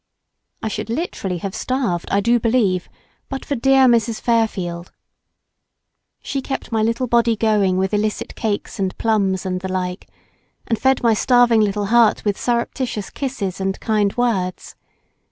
I should literally have starved, I do believe, but for dear Mrs. Fairfield. She kept my little Body going with illicit cakes and plums and the like, and fed my starving little heart with surreptitious kisses and kind words.